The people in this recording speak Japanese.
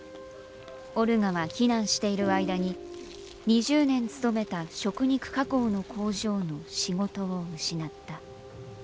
オルガは避難している間に２０年勤めた食肉加工の工場の仕事を失った。